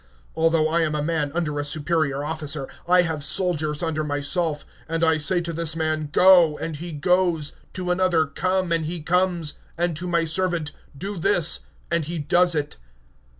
(9)For I am a man under authority, having soldiers under me, and I say to this one, Go, and he goes; and to another, Come, and he comes; and to my servant, Do this, and he does it.